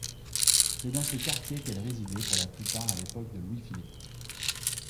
C'est dans ce quartier qu'elles résidaient pour la plupart à l'époque de Louis-Philippe.